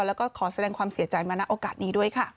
แล้วก็ขอแสดงความเสียใจมาณโอกาสนี้ด้วยค่ะ